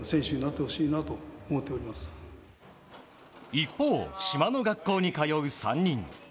一方、島の学校に通う３人。